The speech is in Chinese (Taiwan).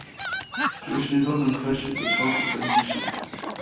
隨時都能開始的超簡單記事法